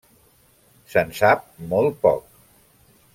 Se'n sap molt poc.